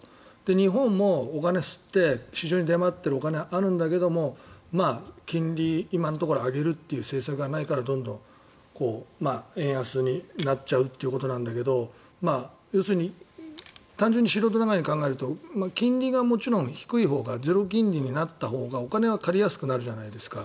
日本もお金を刷って市場に出回っているお金はあるんだけれども金利、今のところは上げるという政策がないからどんどん円安になっちゃうということなんだけど要するに、単純に素人ながらに考えると金利はもちろん低いほうがゼロ金利になったほうがお金は借りやすくなるじゃないですか。